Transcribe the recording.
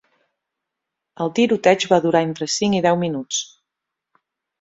El tiroteig va durar entre cinc i deu minuts.